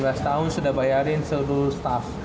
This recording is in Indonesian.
dia umur sembilan belas tahun sudah bayarin seluruh staff